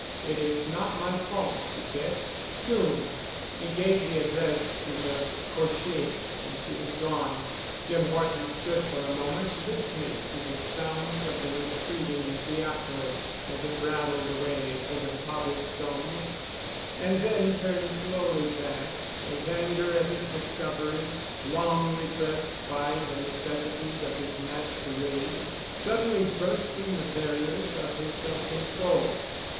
"It is not my fault, Piquette. Soon——" He gave the address to the cocher and she was gone. Jim Horton stood for a moment listening to the sounds of the retreating fiacre as it rattled away over the cobblestones and then turned slowly back, his anger at his discoveries, long repressed by the necessities of his masquerade, suddenly bursting the barriers of his self control.